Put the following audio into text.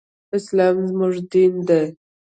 اسلام زمونږ دين دی.